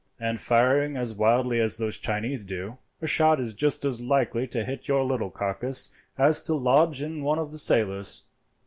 And firing as wildly as the Chinese do, a shot is just as likely to hit your little carcass as to lodge in one of the sailors.